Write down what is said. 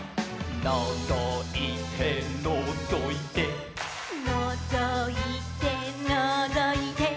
「のぞいてのぞいて」「のぞいてのぞいて」